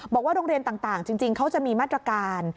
โรงเรียนต่างจริงเขาจะมีมาตรการ